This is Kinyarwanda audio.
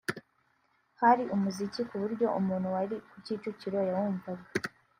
Hari umuziki ku buryo umuntu wari ku Kicukiro yawumvaga